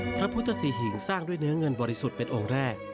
พระพุทธศรีหิงสร้างด้วยเนื้อเงินบริสุทธิ์เป็นองค์แรก